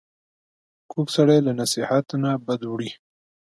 کوږ سړی له نصیحت نه بد وړي